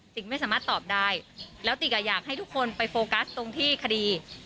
ไม่สามารถตอบได้แล้วติกอยากให้ทุกคนไปโฟกัสตรงที่คดี